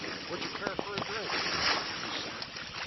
"Would you care for a drink?" he said.